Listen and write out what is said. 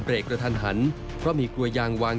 กระทันหันเพราะมีกลัวยางวาง